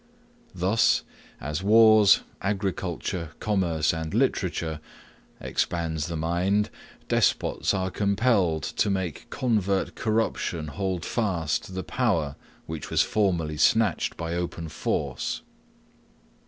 Thus, as wars, agriculture, commerce, and literature, expands the mind, despots are compelled, to make covert corruption hold fast the power which was formerly snatched by open force.